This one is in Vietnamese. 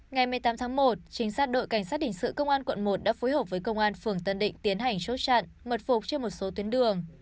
ngày một mươi tám tháng một chính sát đội cảnh sát hình sự công an quận một đã phối hợp với công an phường tân định tiến hành chốt chặn mật phục trên một số tuyến đường